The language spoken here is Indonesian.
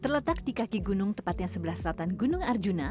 terletak di kaki gunung tepatnya sebelah selatan gunung arjuna